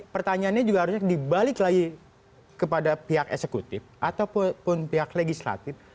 pertanyaannya juga harusnya dibalik lagi kepada pihak eksekutif ataupun pihak legislatif